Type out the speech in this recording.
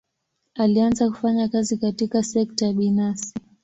Alianza kufanya kazi katika sekta binafsi.